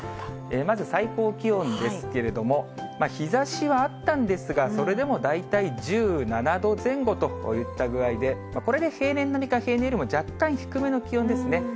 まず最高気温ですけれども、日ざしはあったんですが、それでも大体１７度前後といった具合で、これで平年並みか平年よりも若干低めの気温ですね。